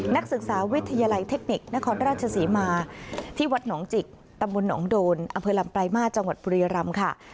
นักศึกษาวิทยาลัยเทคนิคนครราชศรีมาที่วัดหนองจิกตำบลหนองโดนอำเภอลำปลายมาสจังหวัดบุรียรำค่ะ